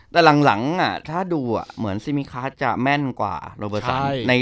แต่หลังถ้าดูเหมือนซิมิคาร์ดจะแม่นกว่าโรเบอร์ตัน